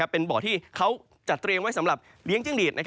เป็นบ่อที่เขาจัดเตรียมไว้สำหรับเลี้ยงจิ้งหลีด